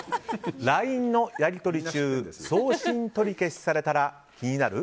ＬＩＮＥのやりとり中送信取り消しされたら気になる？